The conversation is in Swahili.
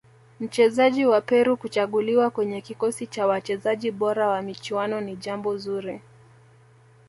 mchezaji wa peru kuchaguliwa kwenye kikosi cha wachezaji bora wa michuano ni jambo zuri